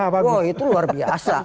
wah itu luar biasa